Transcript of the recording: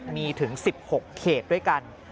มีถึง๑๖เขตด้วยกัน